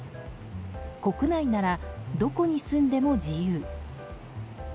国内ならどこに住んでも自由。